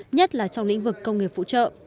nhất là trong lĩnh vực công nghiệp phụ trợ